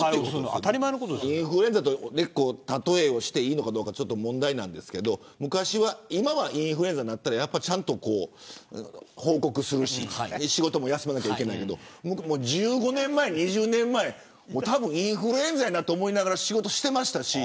インフルエンザで例えをしていいのか問題ですが今はインフルエンザになったらちゃんと報告するし仕事も休むけど１５年前、２０年前インフルエンザやなと思いながら仕事してました。